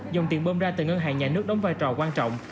dòng tiền bơm ra từ ngân hàng nhà nước đóng vai trò quan trọng